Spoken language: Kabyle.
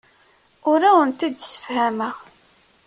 Ur awent-d-ssefhameɣ.